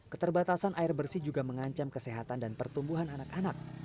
keterbatasan air bersih juga mengancam kesehatan dan pertumbuhan anak anak